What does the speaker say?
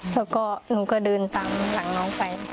แล้วก็หนูก็เดินตามหลังน้องไป